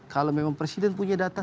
kalau memang presiden punya data